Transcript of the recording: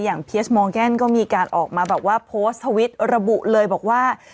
เพียสมอร์แกนก็มีการออกมาแบบว่าโพสต์ทวิตระบุเลยบอกว่า